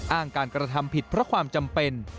อ้างการกระทำผิดเพราะความจำเป็น